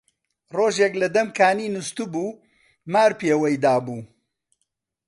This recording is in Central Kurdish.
ڕۆژێک لە دەم کانی نوستبوو، مار پێوەی دابوو